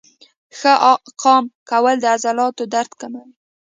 ښه قام کول د عضلاتو درد کموي.